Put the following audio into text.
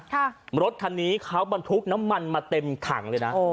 รถคันนี้เขาบรรทุกน้ำมันมาเต็มถังเลยนะโอ้